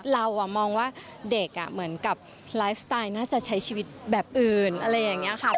เรามองว่าเด็กเหมือนกับไลฟ์สไตล์น่าจะใช้ชีวิตแบบอื่นอะไรอย่างนี้ค่ะ